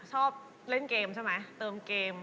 ชอบเล่นเกมใช่ไหม